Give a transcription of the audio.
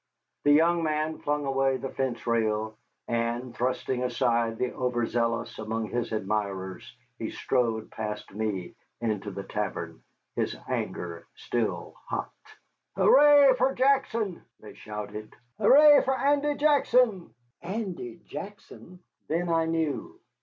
The young man flung away the fence rail, and, thrusting aside the overzealous among his admirers, he strode past me into the tavern, his anger still hot. "Hooray fer Jackson!" they shouted. "Hooray fer Andy Jackson!" Andy Jackson! Then I knew.